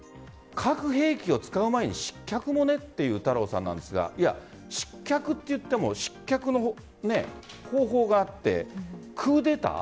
核兵器を使う前に失脚もねという太郎さんですが失脚といっても失脚の方法があってクーデター？